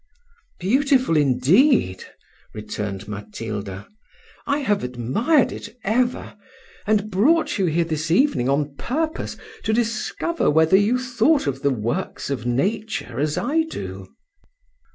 "Beautiful indeed," returned Matilda. "I have admired it ever, and brought you here this evening on purpose to discover whether you thought of the works of nature as I do."